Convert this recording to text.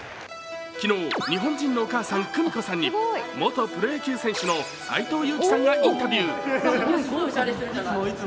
昨日、日本人のお母さん・久美子さんに元プロ野球選手の斎藤佑樹さんがインタビュー。